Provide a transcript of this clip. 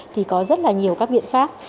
thì có rất là nhiều các biện pháp